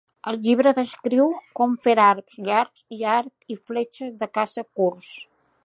El llibre descriu com fer arcs llargs i arc i fletxes de caça curts.